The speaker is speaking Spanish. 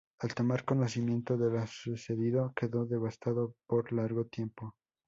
Al tomar conocimiento de lo sucedido quedó devastado por largo tiempo.